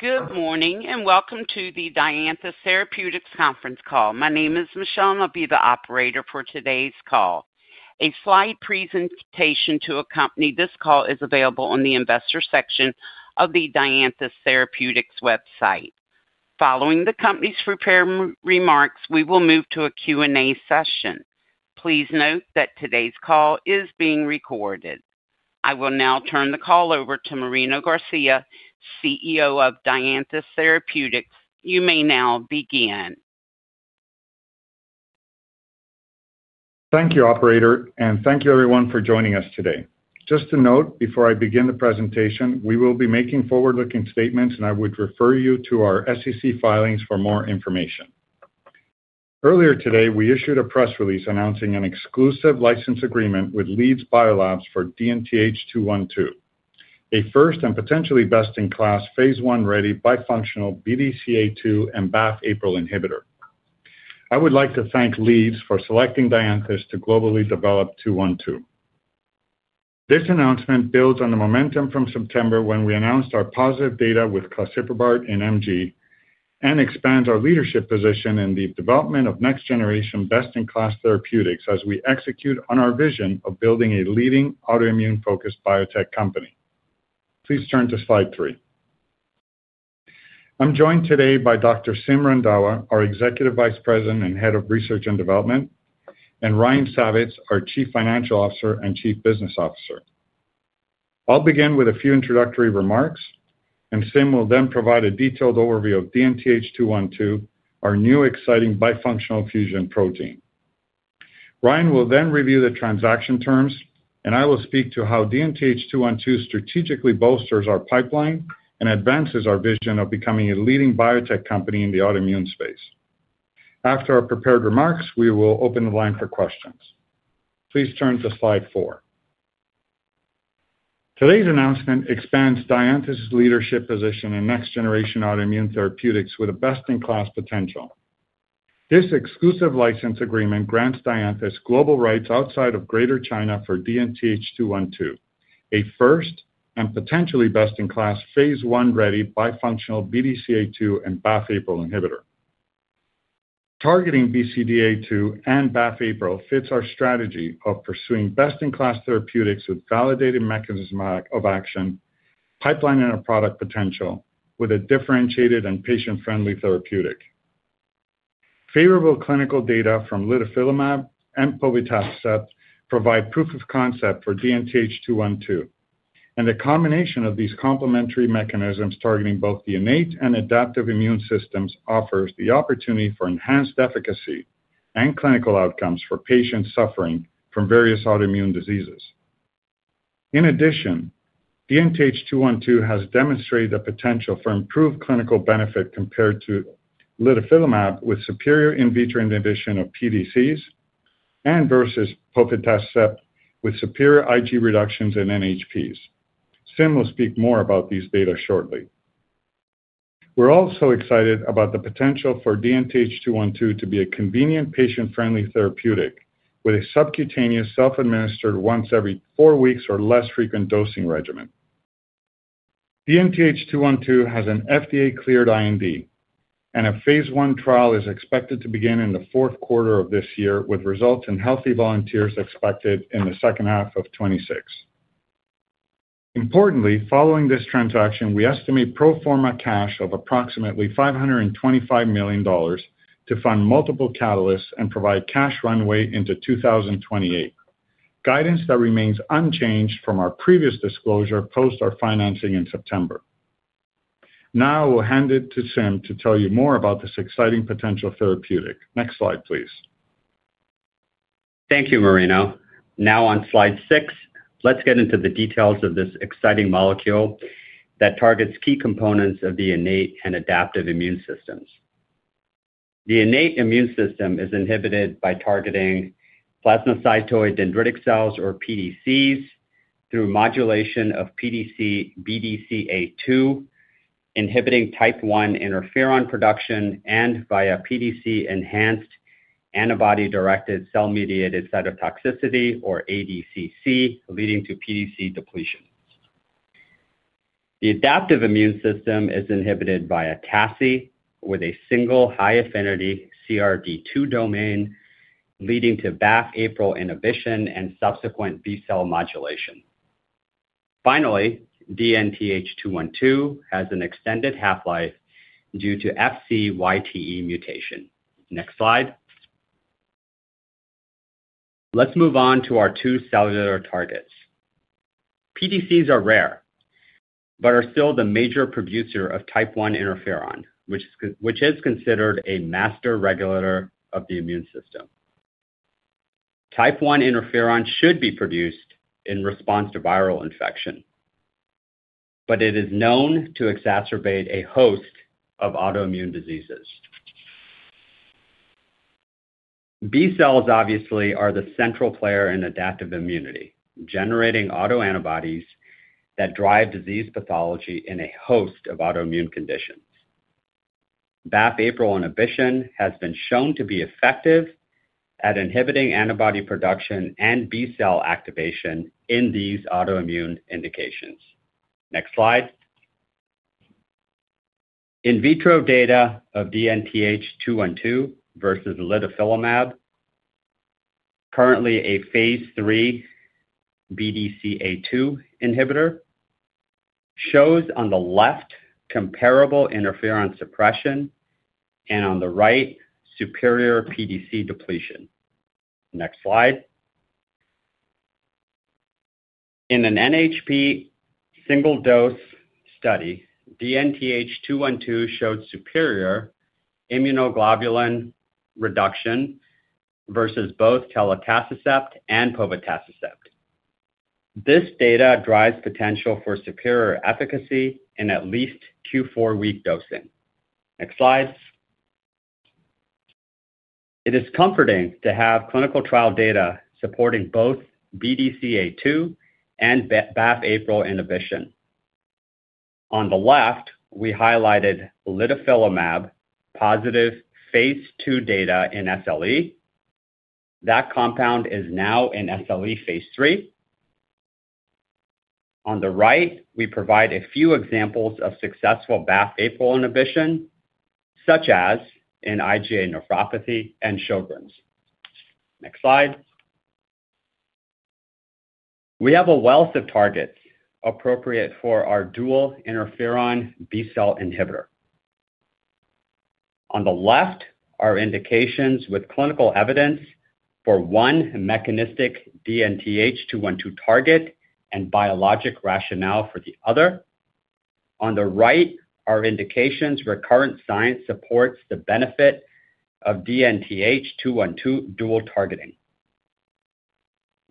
Good morning and welcome to the Dianthus Therapeutics conference call. My name is Michelle, and I'll be the operator for today's call. A slide presentation to accompany this call is available on the investor section of the Dianthus Therapeutics website. Following the company's prepared remarks, we will move to a Q&A session. Please note that today's call is being recorded. I will now turn the call over to Marino Garcia, CEO of Dianthus Therapeutics. You may now begin. Thank you, operator, and thank you everyone for joining us today. Just a note before I begin the presentation, we will be making forward-looking statements, and I would refer you to our SEC filings for more information. Earlier today, we issued a press release announcing an exclusive license agreement with Nanjing Leads Biolabs for DNTH212, a first and potentially best-in-class phase I-ready bifunctional BDCA2 and BAFF/APRIL inhibitor. I would like to thank Leads for selecting Dianthus to globally develop DNTH212. This announcement builds on the momentum from September when we announced our positive data with Claseprubart in MG and expands our leadership position in the development of next-generation best-in-class therapeutics as we execute on our vision of building a leading autoimmune-focused biotech company. Please turn to slide three. I'm joined today by Dr. Simrat Randhawa, our Executive Vice President and Head of Research and Development, and Ryan Savitz, our Chief Financial Officer and Chief Business Officer. I'll begin with a few introductory remarks, and Simrat will then provide a detailed overview of DNTH212, our new exciting bifunctional fusion protein. Ryan will then review the transaction terms, and I will speak to how DNTH212 strategically bolsters our pipeline and advances our vision of becoming a leading biotech company in the autoimmune space. After our prepared remarks, we will open the line for questions. Please turn to slide four. Today's announcement expands Dianthus' leadership position in next-generation autoimmune therapeutics with a best-in-class potential. This exclusive license agreement grants Dianthus global rights outside of Greater China for DNTH212, a first and potentially best-in-class phase I-ready bifunctional BDCA2 and BAFF/APRIL inhibitor. Targeting BDCA2 and BAFF/APRIL fits our strategy of pursuing best-in-class therapeutics with validated mechanisms of action, pipeline, and a product potential with a differentiated and patient-friendly therapeutic. Favorable clinical data from litifilimab and povetacicept provide proof of concept for DNTH212. The combination of these complementary mechanisms targeting both the innate and adaptive immune systems offers the opportunity for enhanced efficacy and clinical outcomes for patients suffering from various autoimmune diseases. In addition, DNTH212 has demonstrated the potential for improved clinical benefit compared to litifilimab with superior in vitro inhibition of PDCs and versus povetacicept with superior Ig reductions in NHPs. Simrat will speak more about these data shortly. We're also excited about the potential for DNTH212 to be a convenient patient-friendly therapeutic with a subcutaneous self-administered once every four weeks or less frequent dosing regimen. DNTH212 has an FDA-cleared IND, and a phase I trial is expected to begin in the fourth quarter of this year with results in healthy volunteers expected in the second half of 2026. Importantly, following this transaction, we estimate pro forma cash of approximately $525 million to fund multiple catalysts and provide cash runway into 2028. Guidance that remains unchanged from our previous disclosure post our financing in September. Now, I'll hand it to Simrat to tell you more about this exciting potential therapeutic. Next slide, please. Thank you, Marino. Now on slide six, let's get into the details of this exciting molecule that targets key components of the innate and adaptive immune systems. The innate immune system is inhibited by targeting plasmacytoid dendritic cells or pDCs through modulation of pDC BDCA2, inhibiting type I interferon production, and via pDC enhanced antibody-directed cell-mediated cytotoxicity or ADCC, leading to PDC depletion. The adaptive immune system is inhibited via TACI with a single high-affinity CRD2 domain, leading to BAFF/APRIL inhibition and subsequent B-cell modulation. Finally, DNTH212 has an extended half-life due to FcYTE mutation. Next slide. Let's move on to our two cellular targets. PDCs are rare but are still the major producer of type I interferon, which is considered a master regulator of the immune system. Type I interferon should be produced in response to viral infection, but it is known to exacerbate a host of autoimmune diseases. B cells, obviously, are the central player in adaptive immunity, generating autoantibodies that drive disease pathology in a host of autoimmune conditions. BAFF/APRIL inhibition has been shown to be effective at inhibiting antibody production and B cell activation in these autoimmune indications. Next slide. In vitro data of DNTH212 versus litifilimab, currently a phase III BDCA2 inhibitor, shows on the left comparable interferon suppression and on the right superior pDC depletion. Next slide. In an NHP single-dose study, DNTH212 showed superior immunoglobulin reduction versus both telitacicept and povetacicept. This data drives potential for superior efficacy in at least Q4 week dosing. Next slide. It is comforting to have clinical trial data supporting both BDCA2 and BAFF/APRIL inhibition. On the left, we highlighted litifilimab positive phase II data in SLE. That compound is now in CLE phase III. On the right, we provide a few examples of successful BAFF/APRIL inhibition, such as in IgA nephropathy and Sjögren's. Next slide. We have a wealth of targets appropriate for our dual interferon B cell inhibitor. On the left, our indications with clinical evidence for one mechanistic DNTH212 target and biologic rationale for the other. On the right, our indications where current science supports the benefit of DNTH212 dual targeting.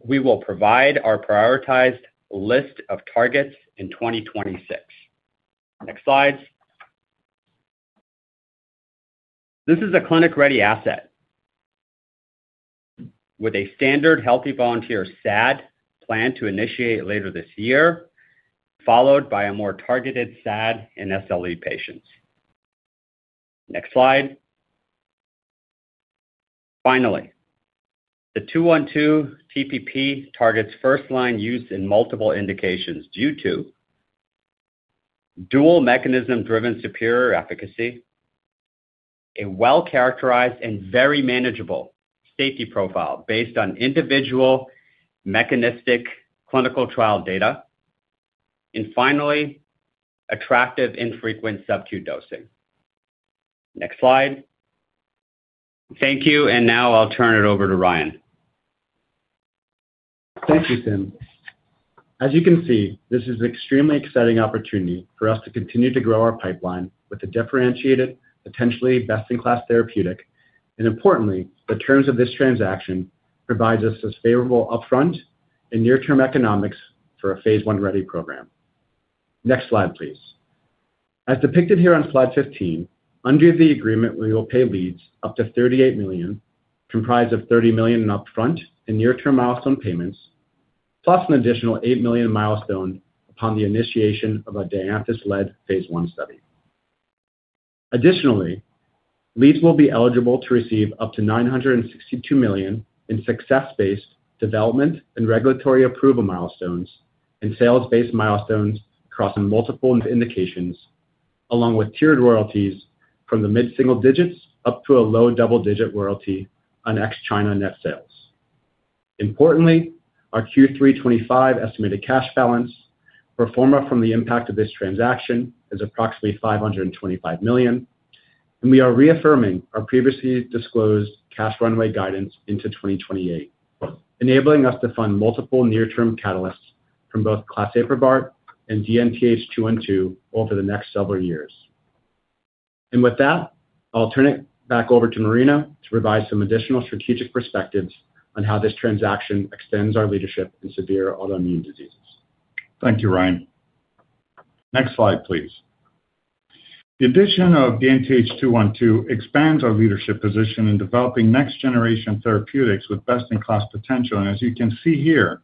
We will provide our prioritized list of targets in 2026. Next slide. This is a clinic-ready asset with a standard healthy volunteer SAD planned to initiate later this year, followed by a more targeted SAD in SLE patients. Next slide. Finally, the 212 TPP targets first-line use in multiple indications due to dual mechanism-driven superior efficacy, a well-characterized and very manageable safety profile based on individual mechanistic clinical trial data, and finally, attractive infrequent subcu dosing. Next slide. Thank you, and now I'll turn it over to Ryan. Thank you, Sim. As you can see, this is an extremely exciting opportunity for us to continue to grow our pipeline with a differentiated, potentially best-in-class therapeutic. Importantly, the terms of this transaction provide us this favorable upfront and near-term economics for a phase I-ready program. Next slide, please. As depicted here on slide 15, under the agreement, we will pay Leads up to $38 million, comprised of $30 million in upfront and near-term milestone payments, plus an additional $8 million milestone upon the initiation of a Dianthus-led phase I study. Additionally, Leads will be eligible to receive up to $962 million in success-based development and regulatory approval milestones and sales-based milestones across multiple indications, along with tiered royalties from the mid-single digits up to a low double-digit royalty on ex-China net sales. Importantly, our Q3 2025 estimated cash balance pro forma from the impact of this transaction is approximately $525 million, and we are reaffirming our previously disclosed cash runway guidance into 2028, enabling us to fund multiple near-term catalysts from both claseprubart and DNTH212 over the next several years. With that, I'll turn it back over to Marino to provide some additional strategic perspectives on how this transaction extends our leadership in severe autoimmune diseases. Thank you, Ryan. Next slide, please. The addition of DNTH212 expands our leadership position in developing next-generation therapeutics with best-in-class potential. As you can see here,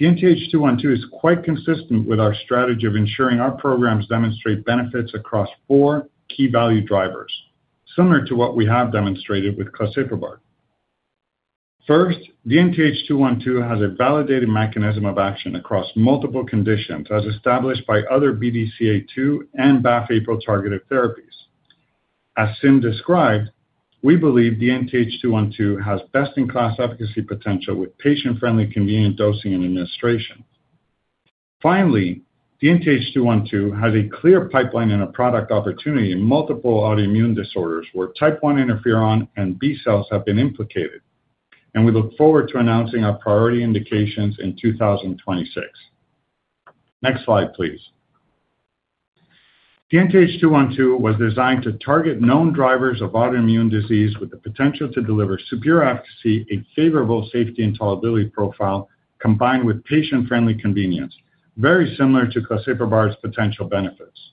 DNTH212 is quite consistent with our strategy of ensuring our programs demonstrate benefits across four key value drivers, similar to what we have demonstrated with claseprubart. First, DNTH212 has a validated mechanism of action across multiple conditions, as established by other BDCA2 and BAFF/APRIL targeted therapies. As Sim described, we believe DNTH212 has best-in-class efficacy potential with patient-friendly, convenient dosing and administration. Finally, DNTH212 has a clear pipeline and a product opportunity in multiple autoimmune disorders where type I interferon and B cells have been implicated. We look forward to announcing our priority indications in 2026. Next slide, please. DNTH212 was designed to target known drivers of autoimmune disease with the potential to deliver superior efficacy, a favorable safety and tolerability profile combined with patient-friendly convenience, very similar to claseprubart's potential benefits.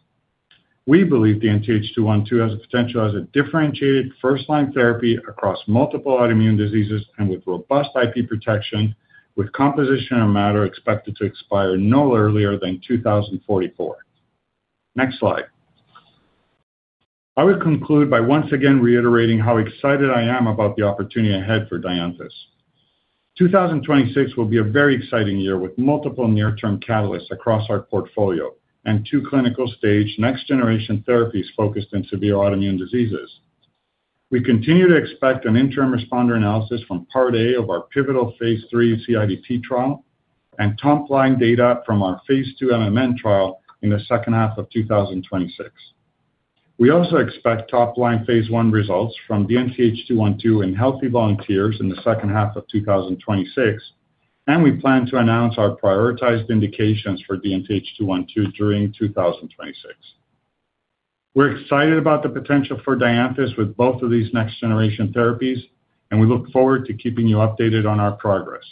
We believe DNTH212 has the potential as a differentiated first-line therapy across multiple autoimmune diseases and with robust IP protection, with composition of matter expected to expire no earlier than 2044. Next slide. I would conclude by once again reiterating how excited I am about the opportunity ahead for Dianthus. 2026 will be a very exciting year with multiple near-term catalysts across our portfolio and two clinical stage next-generation therapies focused on severe autoimmune diseases. We continue to expect an interim responder analysis from part A of our pivotal phase III CIDP trial and top-line data from our phase II MMN trial in the second half of 2026. We also expect top-line phase I results from DNTH212 in healthy volunteers in the second half of 2026, and we plan to announce our prioritized indications for DNTH212 during 2026. We're excited about the potential for Dianthus with both of these next-generation therapies, and we look forward to keeping you updated on our progress.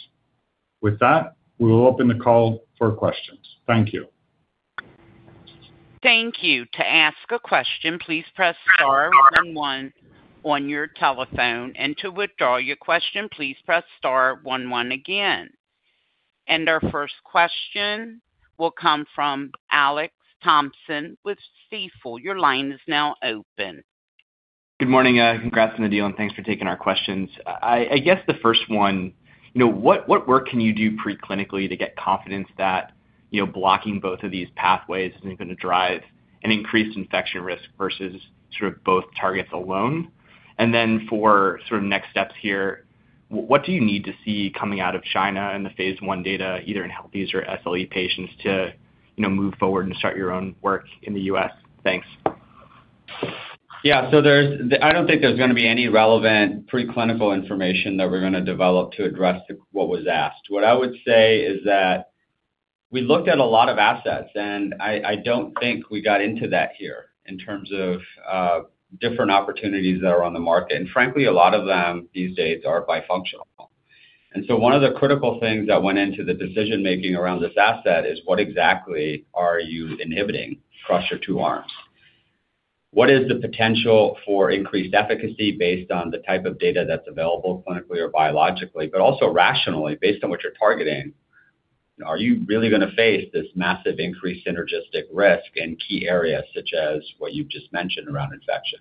With that, we will open the call for questions. Thank you. Thank you. To ask a question, please press star one on your telephone. To withdraw your question, please press star one one again. Our first question will come from Alex Thompson with Stifel. Your line is now open. Good morning, congrats on the deal, and thanks for taking our questions. I guess the first one, what work can you do preclinically to get confidence that blocking both of these pathways isn't going to drive an increased infection risk versus both targets alone? For next steps here, what do you need to see coming out of China and the phase I data, either in healthy or SLE patients, to move forward and start your own work in the U.S.? Thanks. Yeah, so I don't think there's going to be any relevant preclinical information that we're going to develop to address what was asked. What I would say is that we looked at a lot of assets, and I don't think we got into that here in terms of different opportunities that are on the market. Frankly, a lot of them these days are bifunctional. One of the critical things that went into the decision-making around this asset is what exactly are you inhibiting across your two arms? What is the potential for increased efficacy based on the type of data that's available clinically or biologically, but also rationally based on what you're targeting? You know, are you really going to face this massive increased synergistic risk in key areas such as what you've just mentioned around infection?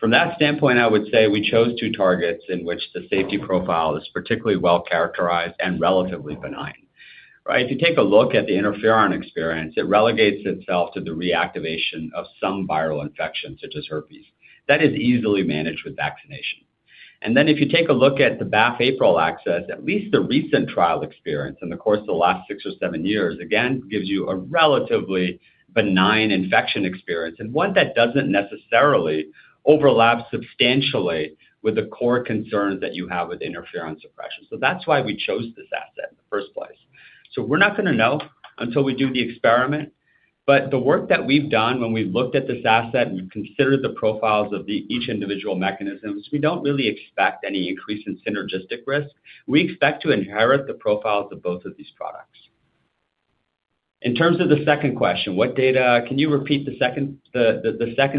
From that standpoint, I would say we chose two targets in which the safety profile is particularly well-characterized and relatively benign. Right? If you take a look at the interferon experience, it relegates itself to the reactivation of some viral infections such as herpes. That is easily managed with vaccination. If you take a look at the BAFF/APRIL axis, at least the recent trial experience in the course of the last six or seven years, again, gives you a relatively benign infection experience and one that doesn't necessarily overlap substantially with the core concerns that you have with interferon suppression. That's why we chose this asset in the first place. We're not going to know until we do the experiment. The work that we've done when we looked at this asset and we've considered the profiles of each individual mechanism, we don't really expect any increase in synergistic risk. We expect to inherit the profiles of both of these products. In terms of the second question, what data can you repeat the second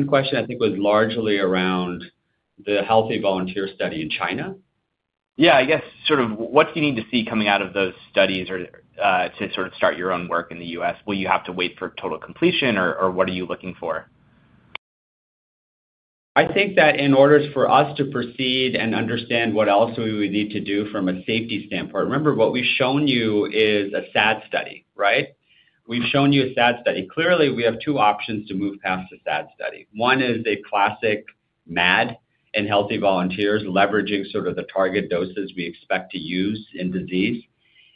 question? I think it was largely around the healthy volunteer study in China. Yeah, I guess what do you need to see coming out of those studies to start your own work in the U.S.? Will you have to wait for total completion, or what are you looking for? I think that in order for us to proceed and understand what else we would need to do from a safety standpoint, remember what we've shown you is a SAD study, right? We've shown you a SAD study. Clearly, we have two options to move past the SAD study. One is a classic MAD in healthy volunteers leveraging sort of the target doses we expect to use in disease.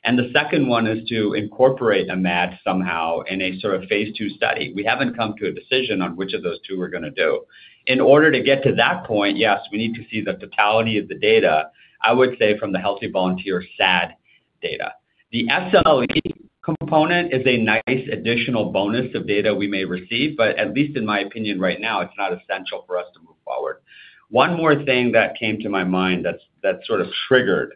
The second one is to incorporate a MAD somehow in a sort of phase II study. We haven't come to a decision on which of those two we're going to do. In order to get to that point, yes, we need to see the totality of the data, I would say from the healthy volunteer SAD data. The SLE component is a nice additional bonus of data we may receive, but at least in my opinion right now, it's not essential for us to move forward. One more thing that came to my mind that's sort of triggered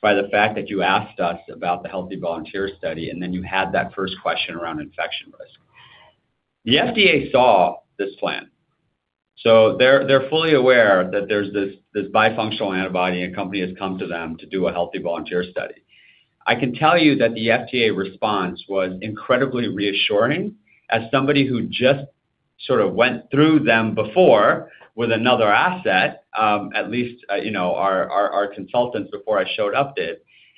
by the fact that you asked us about the healthy volunteer study and then you had that first question around infection risk. The FDA saw this plan. They're fully aware that there's this bifunctional antibody and a company has come to them to do a healthy volunteer study. I can tell you that the FDA response was incredibly reassuring as somebody who just sort of went through them before with another asset, at least, you know, our consultants before I showed up did.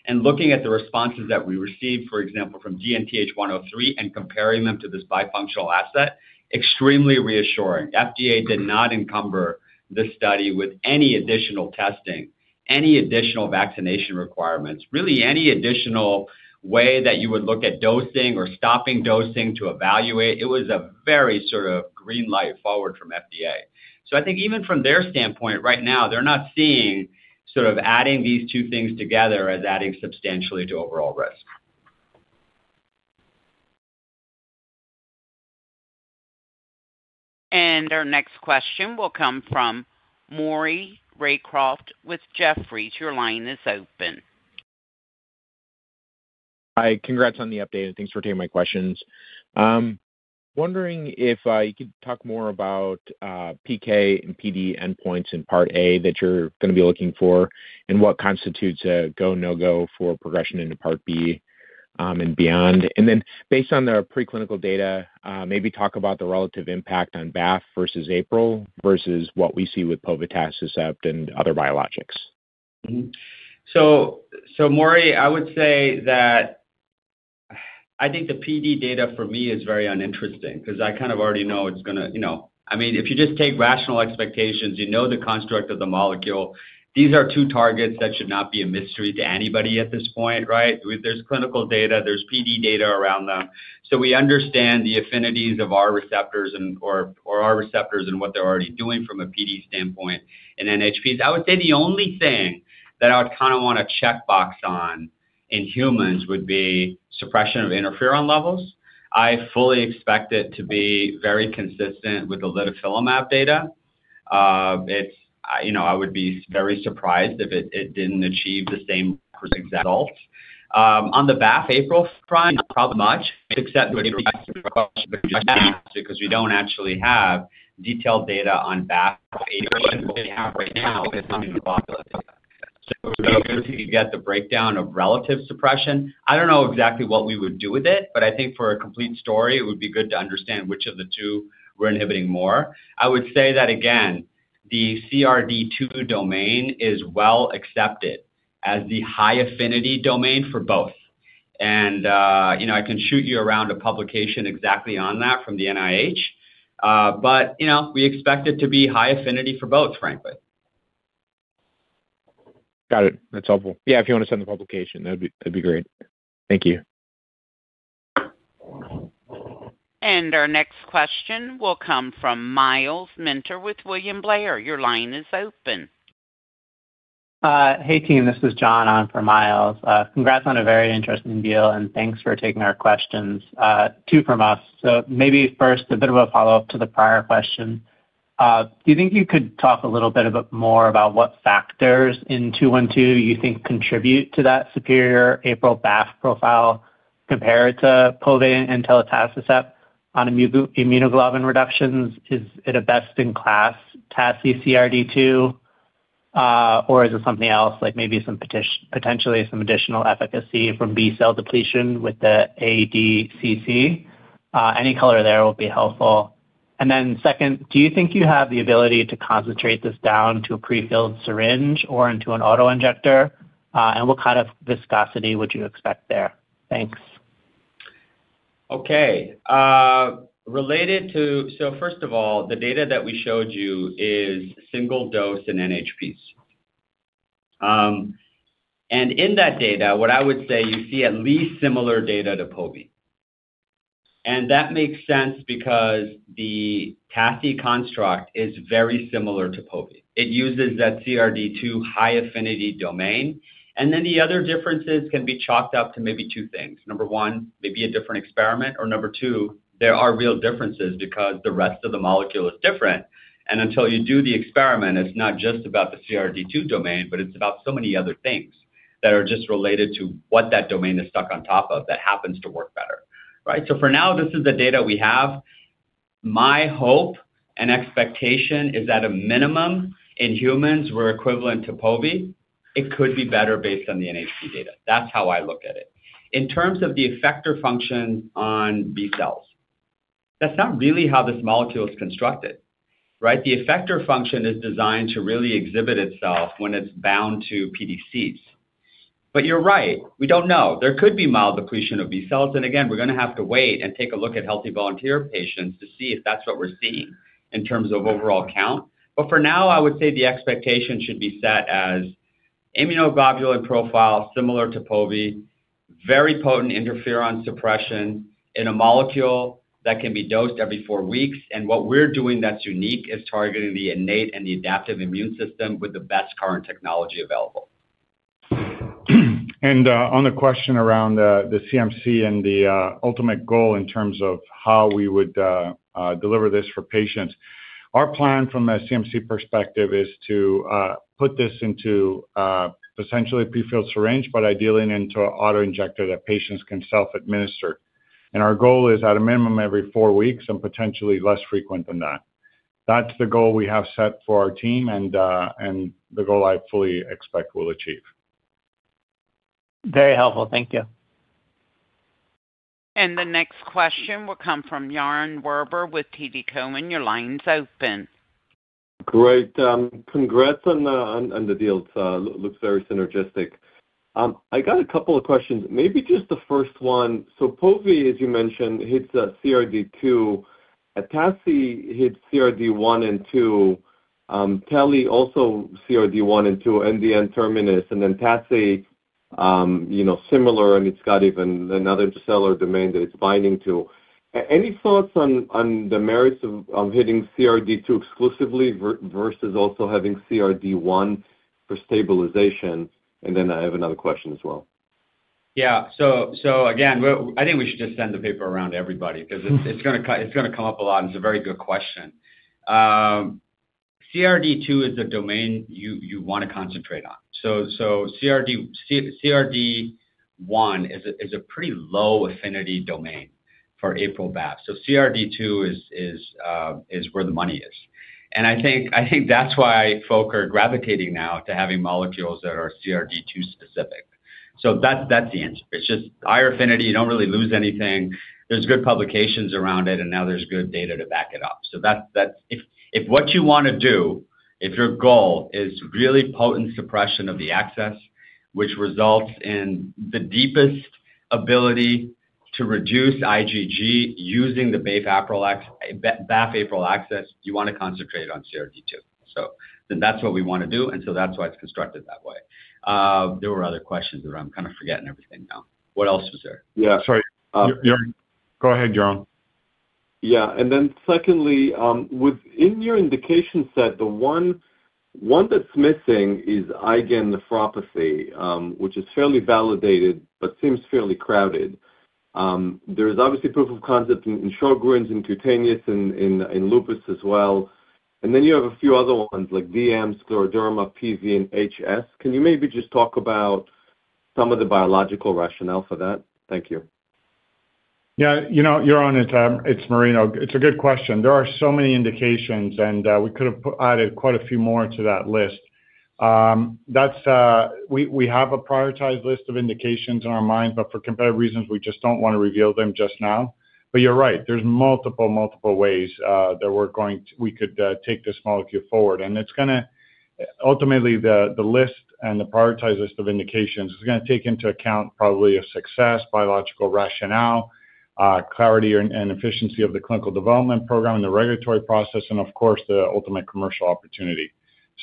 Looking at the responses that we received, for example, from DNTH103 and comparing them to this bifunctional asset, extremely reassuring. FDA did not encumber this study with any additional testing, any additional vaccination requirements, really any additional way that you would look at dosing or stopping dosing to evaluate. It was a very sort of green light forward from FDA. I think even from their standpoint right now, they're not seeing sort of adding these two things together as adding substantially to overall risk. Our next question will come from Maury Raycroft with Jefferies. Your line is open. Hi, congrats on the update and thanks for taking my questions. I'm wondering if you could talk more about PK and PD endpoints in part A that you're going to be looking for, and what constitutes a go/no-go for progression into part B and beyond. Based on the preclinical data, maybe talk about the relative impact on BAFF versus APRIL versus what we see with povetacicept and other biologics. Mori, I would say that I think the PD data for me is very uninteresting because I kind of already know it's going to, you know, if you just take rational expectations, you know the construct of the molecule. These are two targets that should not be a mystery to anybody at this point, right? There's clinical data, there's PD data around them. We understand the affinities of our receptors and what they're already doing from a PD standpoint in NHPs. I would say the only thing that I would kind of want to check box on in humans would be suppression of interferon levels. I fully expect it to be very consistent with the lilifilimab data. I would be very surprised if it didn't achieve the same results. On the BAFF/APRIL front, not much except if you ask a question that we just can't answer because we don't actually have detailed data on BAFF/APRIL. What we have right now is immunoglobulin data. It would be good to get the breakdown of relative suppression. I don't know exactly what we would do with it, but I think for a complete story, it would be good to understand which of the two we're inhibiting more. I would say that again, the CRD2 domain is well accepted as the high affinity domain for both. I can shoot you around a publication exactly on that from the NIH. We expect it to be high affinity for both, frankly. Got it. That's helpful. Yeah, if you want to send the publication, that'd be great. Thank you. Our next question will come from Myles Minter with William Blair. Your line is open. Hey team, this is John on for Miles. Congrats on a very interesting deal and thanks for taking our questions, two from us. Maybe first a bit of a follow-up to the prior question. Do you think you could talk a little bit more about what factors in DNTH212 you think contribute to that superior APRIL/BAFF profile compared to povetacicept and lilifilimab on immunoglobulin reductions? Is it a best-in-class TASI CRD2 or is it something else, like maybe some potentially some additional efficacy from B cell depletion with the ADCC? Any color there will be helpful. Second, do you think you have the ability to concentrate this down to a prefilled syringe or into an autoinjector? What kind of viscosity would you expect there? Thanks. Okay. Related to, first of all, the data that we showed you is single dose and NHPs. In that data, what I would say you see at least similar data to povetacicept. That makes sense because the TASI construct is very similar to povetacicept. It uses that CRD2 high affinity domain. The other differences can be chalked up to maybe two things. Number one, maybe a different experiment, or number two, there are real differences because the rest of the molecule is different. Until you do the experiment, it's not just about the CRD2 domain, but it's about so many other things that are just related to what that domain is stuck on top of that happens to work better. Right? For now, this is the data we have. My hope and expectation is that at a minimum in humans we're equivalent to PO. It could be better based on the NHP data. That's how I look at it. In terms of the effector functions on B cells, that's not really how this molecule is constructed. The effector function is designed to really exhibit itself when it's bound to PDCs. You're right, we don't know. There could be mild depletion of B cells. Again, we're going to have to wait and take a look at healthy volunteer patients to see if that's what we're seeing in terms of overall count. For now, I would say the expectation should be set as immunoglobulin profile similar to povetacicept, very potent interferon suppression in a molecule that can be dosed every four weeks. What we're doing that's unique is targeting the innate and the adaptive immune system with the best current technology available. On the question around the CMC and the ultimate goal in terms of how we would deliver this for patients, our plan from a CMC perspective is to put this into potentially a prefilled syringe, but ideally into an autoinjector that patients can self-administer. Our goal is at a minimum every four weeks and potentially less frequent than that. That's the goal we have set for our team and the goal I fully expect we'll achieve. Very helpful. Thank you. The next question will come from Yaron Werber with TD Cowen. Your line's open. Great. Congrats on the deal. It looks very synergistic. I got a couple of questions. Maybe just the first one. povetacicept, as you mentioned, hits CRD2. A TASI hits CRD1 and 2. TELI also CRD1 and 2 and the N-terminus. TASI, you know, similar, and it's got even another intracellular domain that it's binding to. Any thoughts on the merits of hitting CRD2 exclusively versus also having CRD1 for stabilization? I have another question as well. Yeah, I think we should just send the paper around to everybody because it's going to come up a lot, and it's a very good question. CRD2 is a domain you want to concentrate on. CRD1 is a pretty low affinity domain for APRIL/BAFF. CRD2 is where the money is. I think that's why folks are gravitating now to having molecules that are CRD2 specific. That's the answer. It's just higher affinity. You don't really lose anything. There are good publications around it, and now there's good data to back it up. If your goal is really potent suppression of the axis, which results in the deepest ability to reduce IgG using the BAFF/APRIL axis, you want to concentrate on CRD2. That's what we want to do, and that's why it's constructed that way. There were other questions that I'm kind of forgetting now. What else was there? Yeah, sorry. Go ahead, Yaron. Yeah. Within your indication set, the one that's missing is IgA nephropathy, which is fairly validated but seems fairly crowded. There's obviously proof of concept in Sjogren's and cutaneous and in lupus as well. You have a few other ones like DM, scleroderma, PV, and HS. Can you maybe just talk about some of the biological rationale for that? Thank you. Yeah, you know, you're on it. It's Marino. It's a good question. There are so many indications, and we could have added quite a few more to that list. We have a prioritized list of indications in our minds, but for competitive reasons, we just don't want to reveal them just now. You're right. There's multiple, multiple ways that we're going to, we could take this molecule forward. It's going to ultimately, the list and the prioritized list of indications is going to take into account probably a success, biological rationale, clarity, and efficiency of the clinical development program and the regulatory process, and of course, the ultimate commercial opportunity.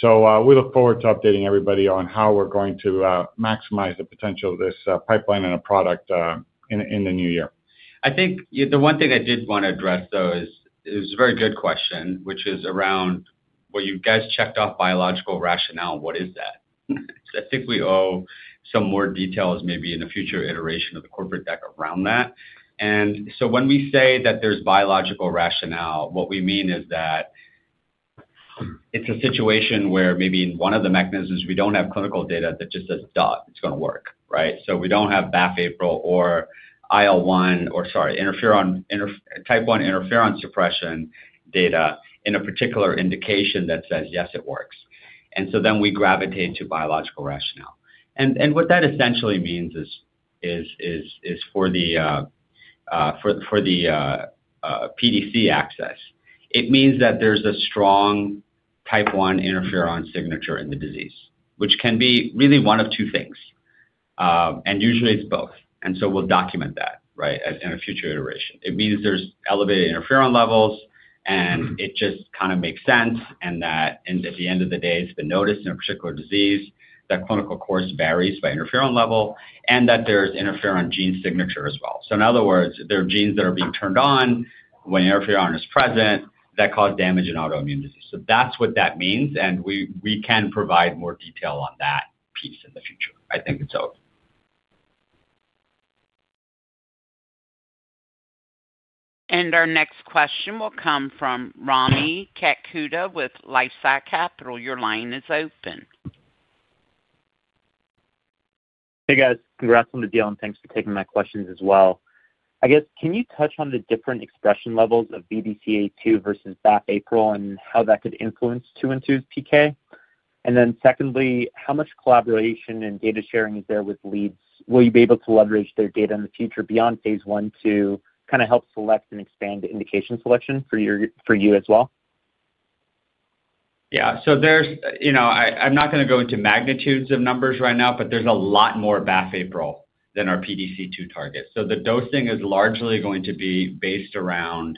We look forward to updating everybody on how we're going to maximize the potential of this pipeline and a product in the new year. I think the one thing I did want to address is a very good question, which is around, you guys checked off biological rationale. What is that? I think we owe some more details maybe in the future iteration of the corporate deck around that. When we say that there's biological rationale, what we mean is that it's a situation where maybe in one of the mechanisms, we don't have clinical data that just says, "Dot, it's going to work." Right? We don't have BAFF/APRIL or IL-1 or, sorry, type I interferon suppression data in a particular indication that says, "Yes, it works." We gravitate to biological rationale. What that essentially means is for the pDC access, it means that there's a strong type I interferon signature in the disease, which can be really one of two things, and usually, it's both. We'll document that in a future iteration. It means there's elevated interferon levels, and it just kind of makes sense. At the end of the day, it's been noticed in a particular disease that clinical course varies by interferon level and that there's interferon gene signature as well. In other words, there are genes that are being turned on when interferon is present that cause damage in autoimmune disease. That's what that means. We can provide more detail on that piece in the future. I think it's open. Our next question will come from Rami Katkhuda with LifeSci Capital. Your line is open. Hey guys, congrats on the deal and thanks for taking my questions as well. I guess, can you touch on the different expression levels of BDCA2 versus BAFF/APRIL and how that could influence 212's PK? Secondly, how much collaboration and data sharing is there with Leads? Will you be able to leverage their data in the future beyond phase I to kind of help select and expand indication selection for you as well? Yeah. There's, you know, I'm not going to go into magnitudes of numbers right now, but there's a lot more BAFF-APRIL than our BDCA2 targets. The dosing is largely going to be based around,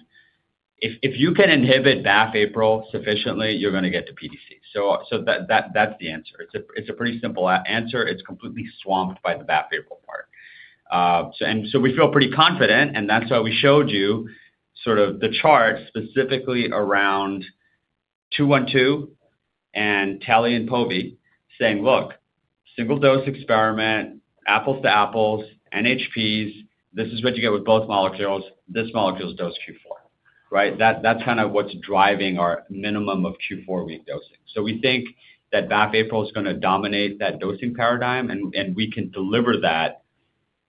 if you can inhibit BAFF/APRIL sufficiently, you're going to get to BDCA2. That's the answer. It's a pretty simple answer. It's completely swamped by the BAFF/APRIL part. We feel pretty confident, and that's why we showed you sort of the chart specifically around DNTH212 and lilifilimab and povetacicept, saying, "Look, single dose experiment, apples to apples, NHPs, this is what you get with both molecules. This molecule is dosed Q4." Right? That's kind of what's driving our minimum of Q4 week dosing. We think that BAFF/APRIL is going to dominate that dosing paradigm, and we can deliver that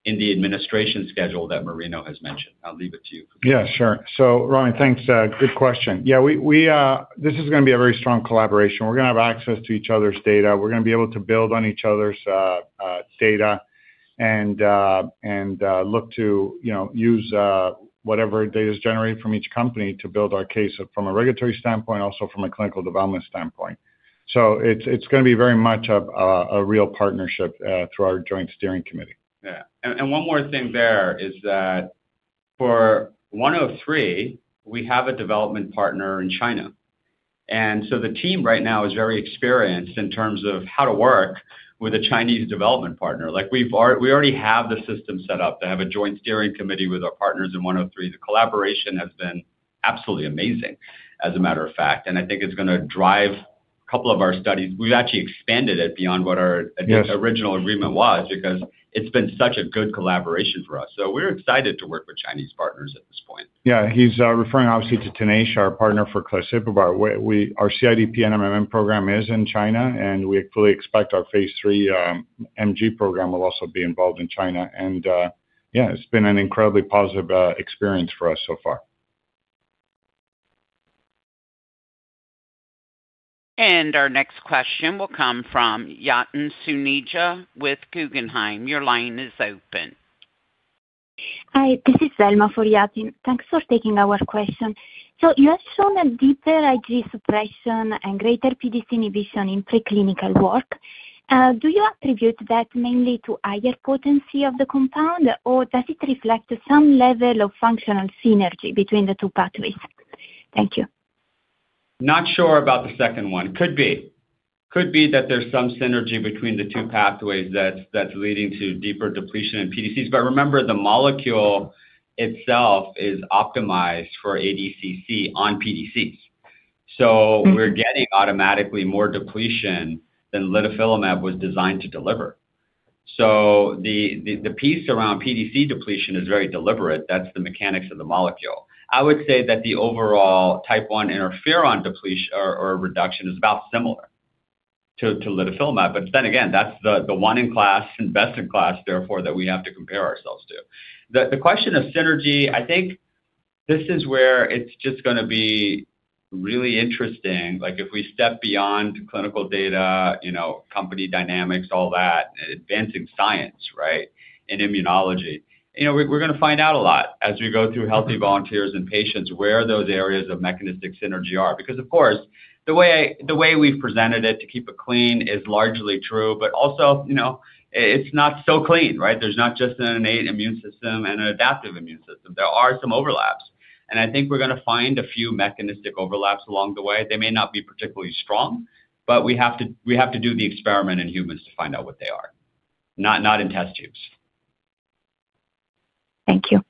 in the administration schedule that Marino has mentioned. I'll leave it to you. Yeah, sure. Rami, thanks. Good question. This is going to be a very strong collaboration. We're going to have access to each other's data. We're going to be able to build on each other's data and look to, you know, use whatever data is generated from each company to build our case from a regulatory standpoint, also from a clinical development standpoint. It is going to be very much a real partnership through our joint steering committee. Yeah, and one more thing there is that for 103, we have a development partner in China. The team right now is very experienced in terms of how to work with a Chinese development partner. We already have the system set up to have a joint steering committee with our partners in 103. The collaboration has been absolutely amazing, as a matter of fact. I think it's going to drive a couple of our studies. We've actually expanded it beyond what our original agreement was because it's been such a good collaboration for us. We're excited to work with Chinese partners at this point. Yeah, he's referring obviously to Nanjing, our partner for Claseprubart. Our CIDP program is in China, and we fully expect our phase III MG program will also be involved in China. Yeah, it's been an incredibly positive experience for us so far. Our next question will come from Yaten Sunija with Guggenheim. Your line is open. Hi, this is Selma for Yaten. Thanks for taking our question. You have shown a deeper IgG suppression and greater PDC inhibition in preclinical work. Do you attribute that mainly to higher potency of the compound, or does it reflect some level of functional synergy between the two pathways? Thank you. Not sure about the second one. Could be. Could be that there's some synergy between the two pathways that's leading to deeper depletion in pDCs. Remember, the molecule itself is optimized for ADCC on pDCs. We're getting automatically more depletion than lilifilimab was designed to deliver. The piece around pDC depletion is very deliberate. That's the mechanics of the molecule. I would say that the overall type I interferon or reduction is about similar to lilifilimab. That's the one in class and best in class, therefore, that we have to compare ourselves to. The question of synergy, I think this is where it's just going to be really interesting. If we step beyond clinical data, company dynamics, all that, and advancing science in immunology, we're going to find out a lot as we go through healthy volunteers and patients where those areas of mechanistic synergy are. Of course, the way we've presented it to keep it clean is largely true, but also, it's not so clean, right? There's not just an innate immune system and an adaptive immune system. There are some overlaps. I think we're going to find a few mechanistic overlaps along the way. They may not be particularly strong, but we have to do the experiment in humans to find out what they are. Not in test tubes. Thank you.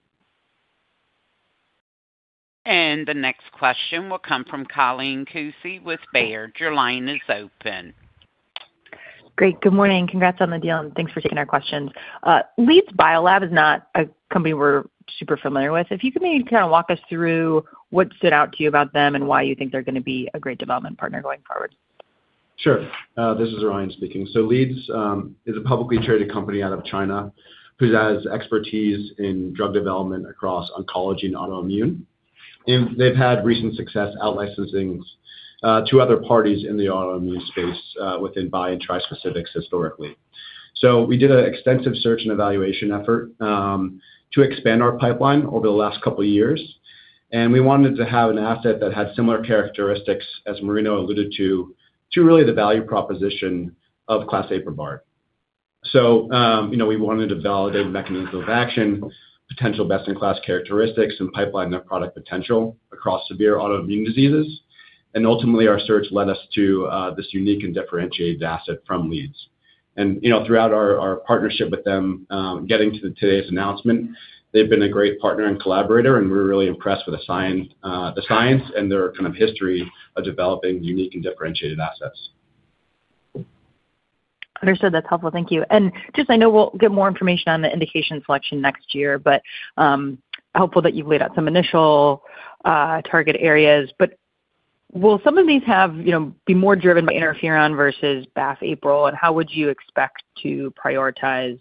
The next question will come from Colleen Cousey with Baird. Your line is open. Great. Good morning. Congrats on the deal and thanks for taking our questions. Leads Biolabs is not a company we're super familiar with. If you could maybe kind of walk us through what stood out to you about them and why you think they're going to be a great development partner going forward. Sure. This is Ryan speaking. Leads is a publicly traded company out of China who has expertise in drug development across oncology and autoimmune. They've had recent success out-licensing to other parties in the autoimmune space within bi- and trispecifics historically. We did an extensive search and evaluation effort to expand our pipeline over the last couple of years. We wanted to have an asset that had similar characteristics, as Marino alluded to, to really the value proposition of Claseprubart. We wanted to validate mechanisms of action, potential best-in-class characteristics, and pipeline their product potential across severe autoimmune diseases. Ultimately, our search led us to this unique and differentiated asset from Leads. Throughout our partnership with them, getting to today's announcement, they've been a great partner and collaborator, and we're really impressed with the science and their kind of history of developing unique and differentiated assets. Understood. That's helpful. Thank you. I know we'll get more information on the indication selection next year, but I'm hopeful that you've laid out some initial target areas. Will some of these be more driven by interferon versus BAFF/APRIL? How would you expect to prioritize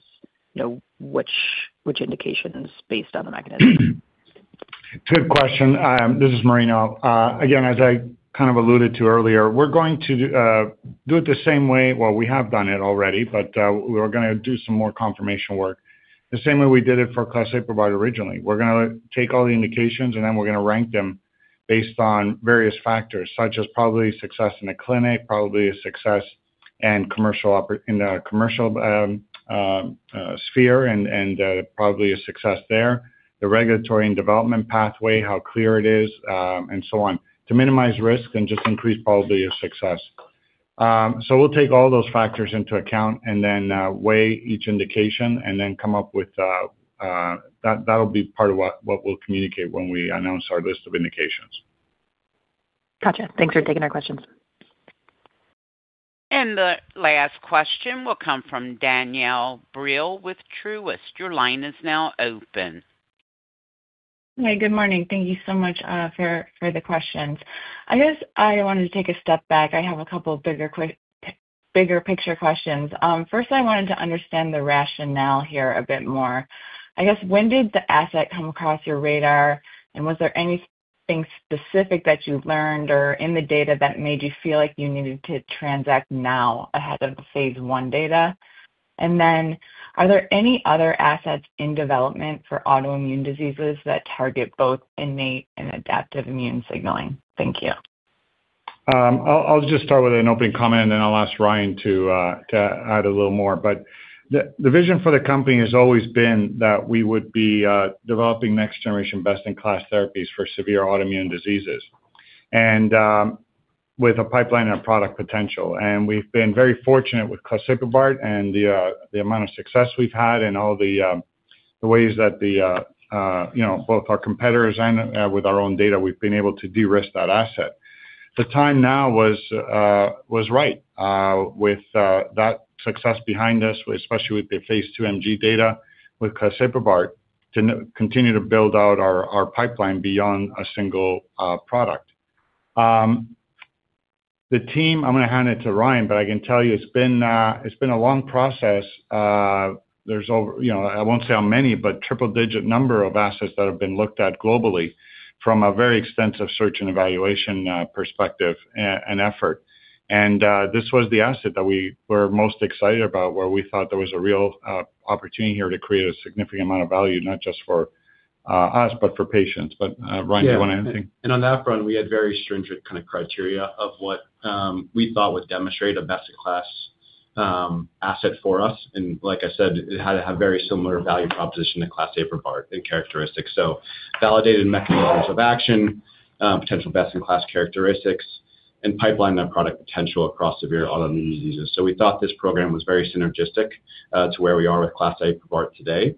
which indications based on the mechanism? Good question. This is Marino. As I kind of alluded to earlier, we're going to do it the same way. We have done it already, but we're going to do some more confirmation work. The same way we did it for Claseprubart originally. We're going to take all the indications, and then we're going to rank them based on various factors, such as probability of success in the clinic, probability of success in the commercial sphere, and probability of success there. The regulatory and development pathway, how clear it is, and so on, to minimize risk and just increase probability of success. We'll take all those factors into account and then weigh each indication and then come up with that. That'll be part of what we'll communicate when we announce our list of indications. Gotcha. Thanks for taking our questions. The last question will come from Danielle Brill with Truist. Your line is now open. Hi, good morning. Thank you so much for the questions. I wanted to take a step back. I have a couple of bigger picture questions. First, I wanted to understand the rationale here a bit more. When did the asset come across your radar? Was there anything specific that you learned or in the data that made you feel like you needed to transact now ahead of the phase I data? Are there any other assets in development for autoimmune diseases that target both innate and adaptive immune signaling? Thank you. I'll just start with an opening comment, and then I'll ask Ryan to add a little more. The vision for the company has always been that we would be developing next-generation best-in-class therapies for severe autoimmune diseases and with a pipeline and a product potential. We've been very fortunate with Claseprubart and the amount of success we've had and all the ways that, you know, both our competitors and with our own data, we've been able to de-risk that asset. The time now was right with that success behind us, especially with the phase II MG data with Claseprubart, to continue to build out our pipeline beyond a single product. The team, I'm going to hand it to Ryan, but I can tell you it's been a long process. There's over, you know, I won't say how many, but triple-digit number of assets that have been looked at globally from a very extensive search and evaluation perspective and effort. This was the asset that we were most excited about, where we thought there was a real opportunity here to create a significant amount of value, not just for us, but for patients. Ryan, do you want to add anything? Yeah. On that front, we had very stringent kind of criteria of what we thought would demonstrate a best-in-class asset for us. Like I said, it had to have a very similar value proposition to Claseprubart in characteristics. Validated mechanisms of action, potential best-in-class characteristics, and pipeline that product potential across severe autoimmune diseases. We thought this program was very synergistic to where we are with Claseprubart today.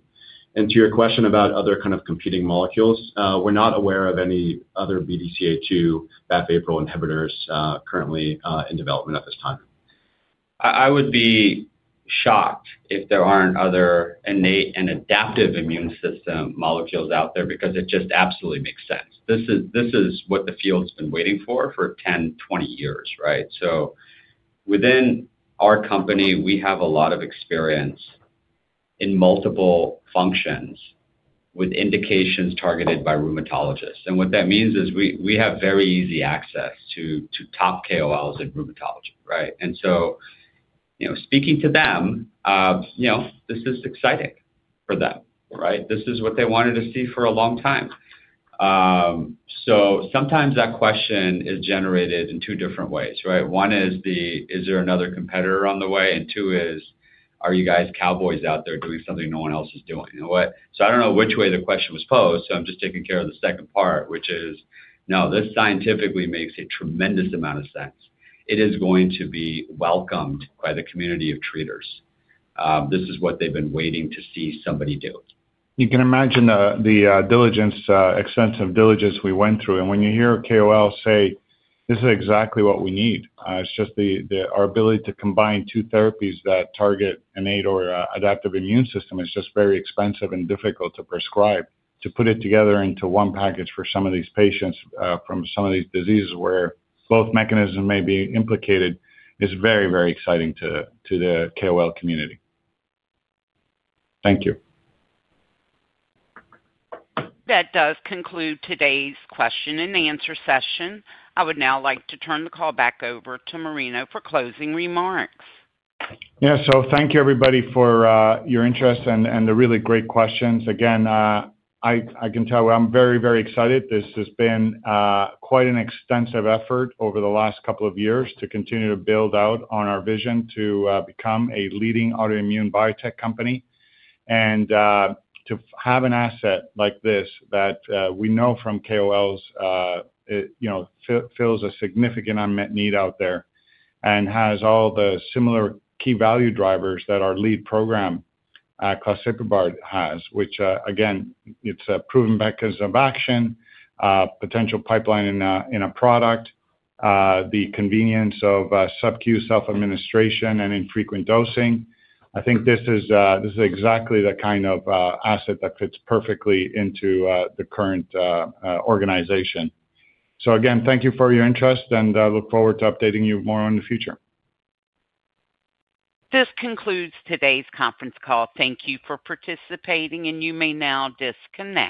To your question about other kind of competing molecules, we're not aware of any other BDCA2 BAFF/APRIL inhibitors currently in development at this time. I would be shocked if there aren't other innate and adaptive immune system molecules out there because it just absolutely makes sense. This is what the field's been waiting for for 10, 20 years, right? Within our company, we have a lot of experience in multiple functions with indications targeted by rheumatologists. What that means is we have very easy access to top KOLs in rheumatology, right? Speaking to them, this is exciting for them, right? This is what they wanted to see for a long time. Sometimes that question is generated in two different ways, right? One is, is there another competitor on the way? Two is, are you guys cowboys out there doing something no one else is doing? I don't know which way the question was posed. I'm just taking care of the second part, which is, no, this scientifically makes a tremendous amount of sense. It is going to be welcomed by the community of treaters. This is what they've been waiting to see somebody do. You can imagine the extensive diligence we went through. When you hear KOLs say, this is exactly what we need, it's just our ability to combine two therapies that target innate or adaptive immune system is just very expensive and difficult to prescribe. To put it together into one package for some of these patients from some of these diseases where both mechanisms may be implicated is very, very exciting to the KOL community. Thank you. That does conclude today's question and answer session. I would now like to turn the call back over to Marino for closing remarks. Thank you everybody for your interest and the really great questions. I can tell you I'm very, very excited. This has been quite an extensive effort over the last couple of years to continue to build out on our vision to become a leading autoimmune biotech company and to have an asset like this that we know from KOLs fills a significant unmet need out there and has all the similar key value drivers that our lead program, CLASSIPRIBART, has, which again, it's a proven mechanism of action, potential pipeline in a product, the convenience of subcutaneous self-administration and infrequent dosing. I think this is exactly the kind of asset that fits perfectly into the current organization. Thank you for your interest and look forward to updating you more in the future. This concludes today's conference call. Thank you for participating, and you may now disconnect.